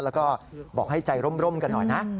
แล้วก็บอกให้ใจร่มกันหน่อยนะ